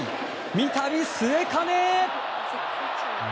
三度、末包。